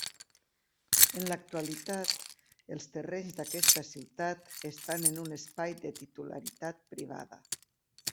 En l'actualitat els terrenys d'aquesta ciutat estan en un espai de titularitat privada.